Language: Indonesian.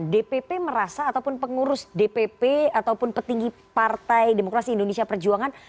dpp merasa ataupun pengurus dpp ataupun petinggi partai demokrasi indonesia perjuangan